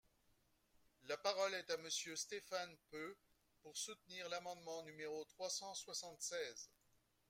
La parole est à Monsieur Stéphane Peu, pour soutenir l’amendement numéro trois cent soixante-seize.